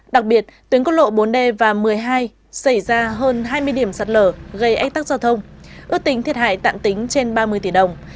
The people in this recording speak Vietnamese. đặc biệt tuyến cốt lộ bốn d và một mươi hai xảy ra hơn hai mươi điểm sạt lở gây ách tắc giao thông ước tính thiệt hại tạm tính trên ba mươi tỷ đồng